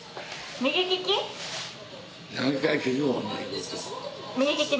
右利きね。